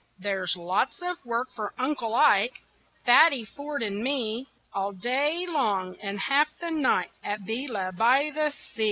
There's lots of work for Uncle Ike, Fatty Ford and me All day long and half the night At Beela by the sea.